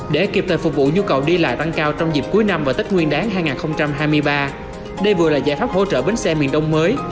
đây vừa là giải pháp hỗ trợ bến xe miền đông mới